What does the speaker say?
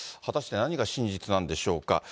果たして何が真実なんでしょうか。